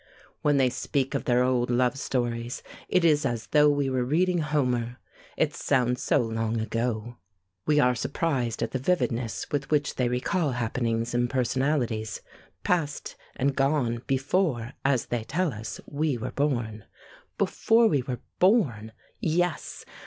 When they speak of their old love stories, it is as though we were reading Homer. It sounds so long ago. We are surprised at the vividness with which they recall happenings and personalities, past and gone before, as they tell us, we were born. Before we were born! Yes!